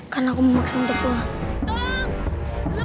karena aku memaksa untuk pulangnya